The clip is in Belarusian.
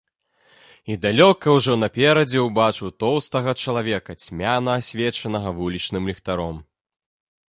І далёка ўжо наперадзе ўбачыў тоўстага чалавека, цьмяна асвечанага вулічным ліхтаром.